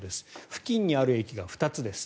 付近にある駅が２つです。